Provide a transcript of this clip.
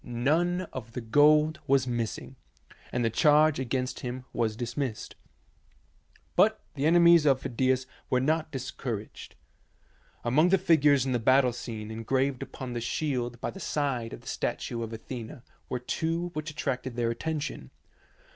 None of the gold was missing, and the charge against him was dismissed. But the enemies of Phidias were not discouraged. Among the figures in the battle scene engraved upon the shield by the side of the statue of Athena were two which attracted their attention.